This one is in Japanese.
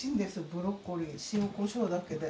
ブロッコリー塩こしょうだけで。